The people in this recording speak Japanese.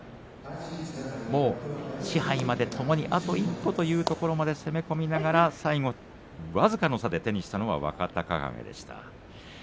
もう賜盃まで、ともにあと一歩というところまで攻め込みながら最後僅かな差で手にしたのは若隆景でした。